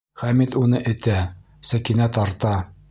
Хәмит уны этә, Сәкинә тарта.